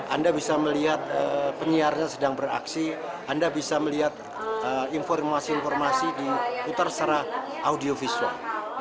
anda bisa melihat penyiarnya sedang beraksi anda bisa melihat informasi informasi diputar secara audiovisual